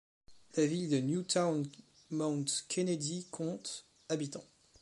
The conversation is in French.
La ville de Newtownmountkennedy compte habitants.